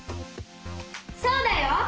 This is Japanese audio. そうだよ！